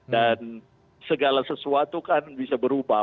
dan segala sesuatu kan bisa berubah